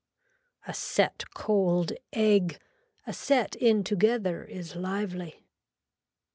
A set cold egg, a set in together is lively.